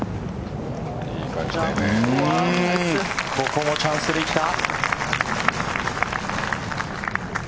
ここもチャンスできた。